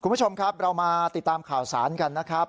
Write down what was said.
คุณผู้ชมครับเรามาติดตามข่าวสารกันนะครับ